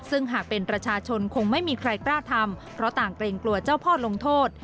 ซึ่งหากเป็นประชาชนคงไม่มีใครกล้าทำเพราะต่างเกรงกลัวเจ้าพ่อลงโทษ